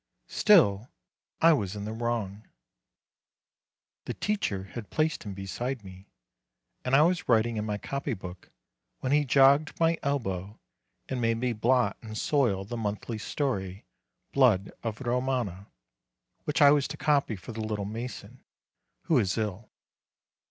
Still I was in the wrong. The teacher had placed him beside me, and I was writ ing in my copy book when he jogged my elbow and made me blot and soil the monthly story, Blood of Romagna, which I was to copy for the "little mason," who is ill.